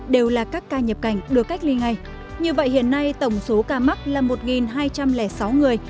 đều là các ca nhập cảnh được cách ly ngay như vậy hiện nay tổng số ca mắc là một hai trăm linh sáu người